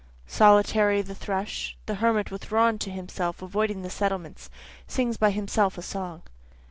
Solitary the thrush, The hermit withdrawn to himself, avoiding the settlements, Sings by himself a song.